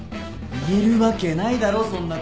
言えるわけないだろそんなこと。